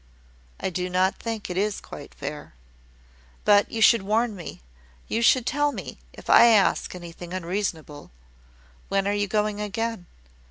"I do not think it is quite fair." "But you should warn me you should tell me, if I ask anything unreasonable. When are you going again?